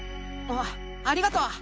あありがとう。